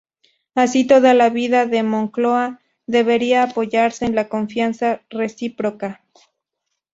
Así, toda la vida de Moncloa debería apoyarse en la confianza recíproca.